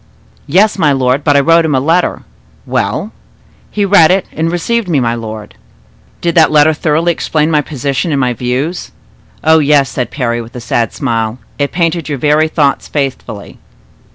"Yes, my lord; but I wrote him a letter." "Well?" "He read it, and received me, my lord." "Did that letter thoroughly explain my position and my views?" "Oh, yes!" said Parry, with a sad smile; "it painted your very thoughts faithfully."